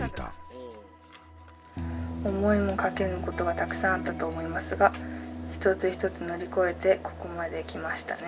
「思いもかけぬことがたくさんあったと思いますが１つ１つ乗り越えてここまで来ましたね。